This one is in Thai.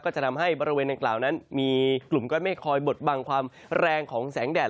จะทำให้บริเวณดังกล่าวนั้นมีกลุ่มก้อนเมฆคอยบดบังความแรงของแสงแดด